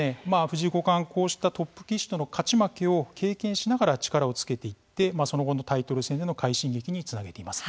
藤井五冠はこうしたトップ棋士との勝ち負けを経験しながら力をつけていってその後のタイトル戦での快進撃につなげています。